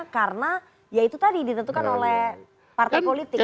karena ya itu tadi ditentukan oleh partai politik